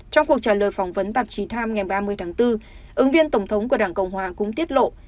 trong cuộc trả lời phỏng vấn tạp chí times ngày ba mươi tháng bốn ứng viên tổng thống của đảng cộng hòa cũng tiết lộ